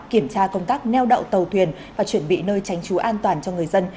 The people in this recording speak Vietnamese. kiểm tra công tác neo đậu tàu thuyền và chuẩn bị nơi tránh trú an toàn cho người dân